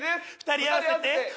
２人合わせて。